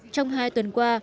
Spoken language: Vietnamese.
trong hai tuần qua